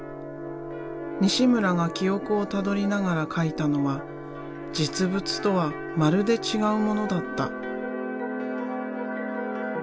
西村が記憶をたどりながら描いたのは実物とはまるで違うものだった。